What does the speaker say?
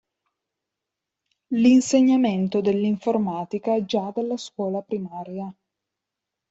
L'insegnamento dell'informatica già dalla scuola primaria.